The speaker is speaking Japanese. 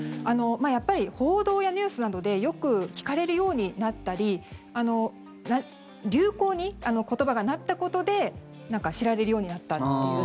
やっぱり報道やニュースなどでよく聞かれるようになったり流行に、言葉がなったことで知られるようになったという。